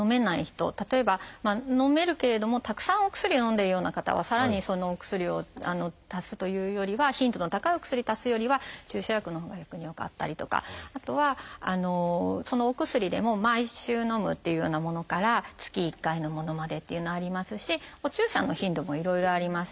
例えばのめるけれどもたくさんお薬をのんでいるような方はさらにお薬を足すというよりは頻度の高いお薬足すよりは注射薬のほうが逆に良かったりとかあとはお薬でも毎週のむっていうようなものから月１回のものまでっていうのありますしお注射の頻度もいろいろあります。